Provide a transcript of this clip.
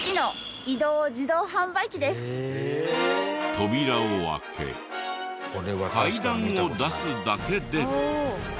扉を開け階段を出すだけで。